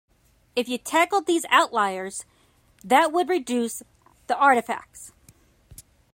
If you tackled these outliers that would reduce the artifacts.